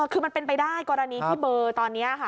คือมันเป็นไปได้กรณีที่เบอร์ตอนนี้ค่ะ